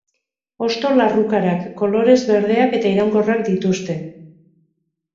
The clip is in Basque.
Hosto larrukarak, kolorez berdeak, eta iraunkorrak dituzte.